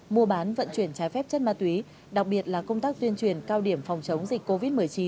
mua bán vận chuyển trái phép chất ma túy đặc biệt là công tác tuyên truyền cao điểm phòng chống dịch covid một mươi chín